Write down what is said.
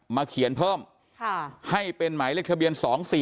เขียนเพิ่มให้เป็นหมายเลขทะเบียน๒๔๔